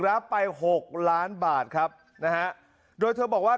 รับไปหกล้านบาทครับนะฮะโดยเธอบอกว่า